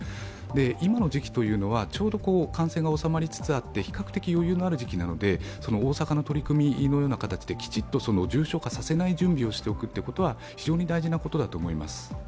今の時期というのは、ちょうど感染が収まりつつあって比較的余裕がある時期なのできちっと重症化させない準備をしておくというのは非常に大事なことだと思います。